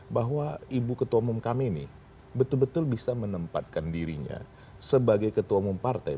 bahwa ibu ketua umum kami ini betul betul bisa menempatkan dirinya sebagai ketua umum partai